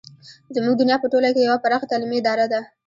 زموږ دنیا په ټوله کې یوه پراخه تعلیمي اداره ده.